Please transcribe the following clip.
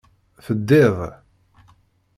Teddiḍ.